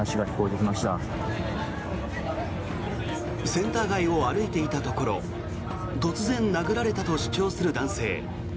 センター街を歩いていたところ突然、殴られたと主張する男性。